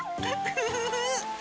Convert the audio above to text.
フフフフ。